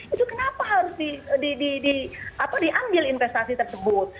itu kenapa harus diambil investasi tersebut